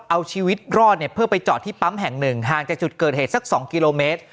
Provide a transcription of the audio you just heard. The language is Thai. เอาชีวิตรอดเนี่ยเพื่อไปจอดที่ปั๊มแห่งหนึ่งห่างจากจุดเกิดเหตุสัก๒กิโลเมตร